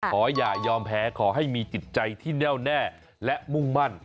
ขออย่ายอมแพ้ขอให้มีจิตใจที่แน่วแน่และมุ่งมั่น